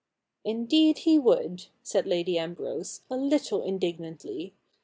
' Indeed he would,' said Lady Ambrose, a little in dignantly.